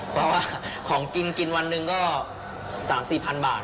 เพราะว่าของกินกินวันหนึ่งก็๓๔๐๐๐บาท